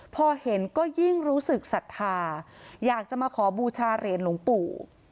พอเห็นก็ยิ่งรู้สึกศรัทธาอยากจะมาขอบูชาเหรียญหลวงปู่